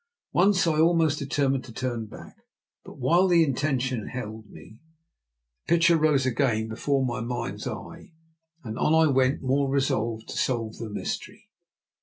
Once I almost determined to turn back, but while the intention held me the picture rose again before my mind's eye, and on I went more resolved to solve the mystery.